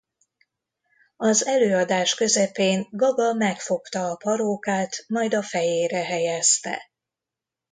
Az előadás közepén Gaga megfogta a parókát majd a fejére helyezte.